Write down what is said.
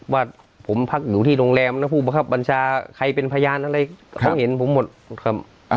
ว่าผมพักอยู่ที่โรงแรมแล้วผู้บังคับบัญชาใครเป็นพยานอะไรเขาเห็นผมหมดครับ